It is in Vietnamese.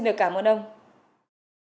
hẹn gặp lại các bạn trong những video tiếp theo